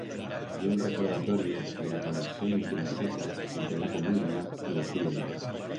Ye un recordatorio de ra connexión intrinseca entre la comunidat y ro suyo entorno.